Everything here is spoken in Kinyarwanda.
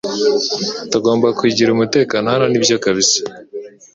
Tugomba kugira umutekano hano nibyo kabisa